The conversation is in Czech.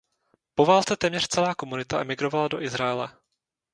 Po válce téměř celá komunita emigrovala do Izraele.